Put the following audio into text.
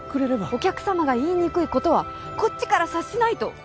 お客様が言いにくいことはこっちから察しないと。